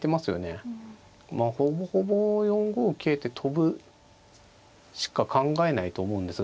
ほぼほぼ４五桂って跳ぶしか考えないと思うんですが。